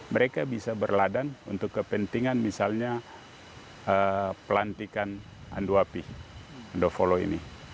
mereka bisa berladang untuk kepentingan misalnya pelantikan anduapi undo volo ini